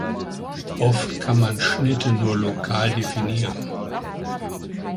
Oft kann man Schnitte nur lokal definieren.